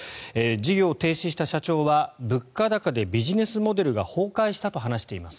事業停止した社長は物価高でビジネスモデルが崩壊したと話しています。